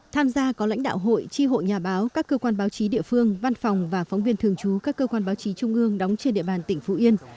tham gia có lãnh đạo hội tri hội nhà báo các cơ quan báo chí địa phương văn phòng và phóng viên thường trú các cơ quan báo chí trung ương đóng trên địa bàn tỉnh phú yên